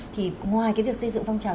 thì ngoài cái việc xây dựng phong trào